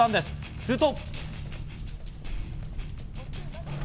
すると。